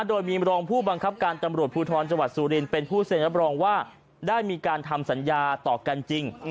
โดยมีมรองผู้บังคับการตำรวจภูทรจังหวัดสุรินเป็นผู้เซ็นรับรองว่าได้มีการทำสัญญาต่อกันจริง